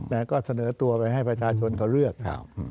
แล้วก็เสนอตัวไปให้ประชาชนเขาเลือก